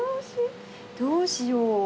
どうしよう。